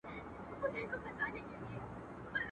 تر مور او پلار خوږې، را کښېنه که وريجي خورې.